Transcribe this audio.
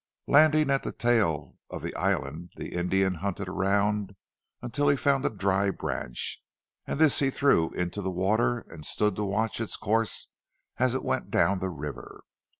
Landing at the tail of the island the Indian hunted around until he found a dry branch, and this he threw into the water and stood to watch its course as it went down river.